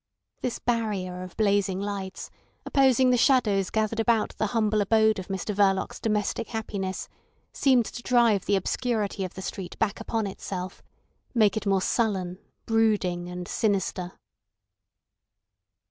This barrier of blazing lights, opposing the shadows gathered about the humble abode of Mr Verloc's domestic happiness, seemed to drive the obscurity of the street back upon itself, make it more sullen, brooding, and sinister.